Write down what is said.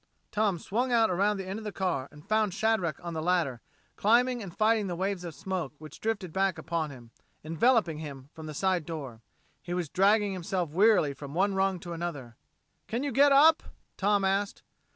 Tom swung out around the end of the car and found Shadrack on the ladder, climbing and fighting the waves of smoke which drifted back upon him, enveloping him, from the side door. He was dragging himself wearily from one rung to another. "Can you get up?" Tom asked.